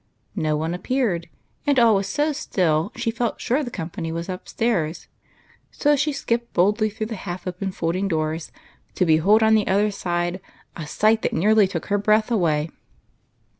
No one appeared, and all was so still she felt sure the company was up stairs. So she skipped boldly through the half open folding doors, to behold on the other side a sight that nearly took her breath away.